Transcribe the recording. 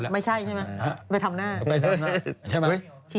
ไม่ใช่ใช่ไหม